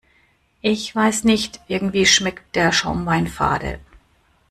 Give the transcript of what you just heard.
Ich weiß nicht, irgendwie schmeckt der Schaumwein fade.